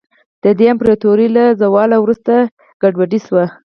د دې امپراتورۍ له زوال وروسته ګډوډي شوه.